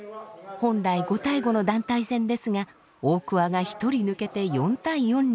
本来５対５の団体戦ですが大桑が１人抜けて４対４に。